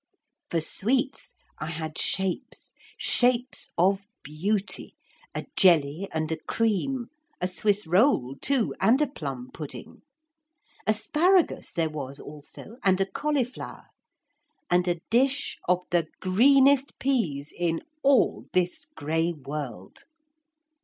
For sweets I had shapes, shapes of beauty, a jelly and a cream; a Swiss roll too, and a plum pudding; asparagus there was also and a cauliflower, and a dish of the greenest peas in all this grey world.